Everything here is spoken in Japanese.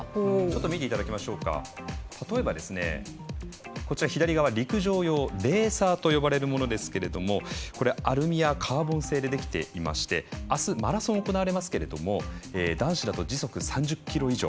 見ていただきましょう例えば、左側の陸上用レーサーと呼ばれるものはアルミやカーボン製でできていまして、あすマラソンが行われますが男子だと時速３０キロ以上。